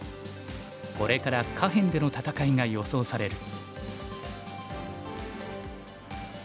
これから下辺での戦いが予想される。